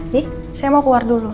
nih saya mau keluar dulu